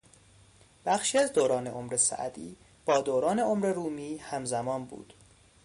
بخشی از دوران عمر سعدی با دوران عمر رومی همزمان بود.